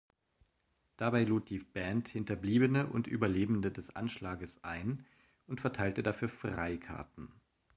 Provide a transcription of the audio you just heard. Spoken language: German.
Dabei lud die Band Hinterbliebene und Überlebende des Anschlages ein und verteilte dafür Freikarten.